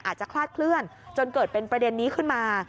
อาจจะคลาดเคลื่อนจนเกิดเป็นประเด็นนี้ขึ้นมา